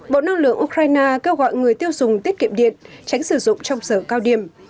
bộ năng lượng ukraine kêu gọi người tiêu dùng tiết kiệm điện tránh sử dụng trong giờ cao điểm